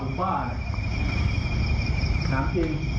ผมจบปริญญาตรีเลยครับ